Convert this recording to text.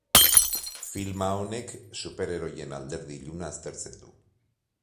Filma honek superheroien alderdi iluna aztertzen du.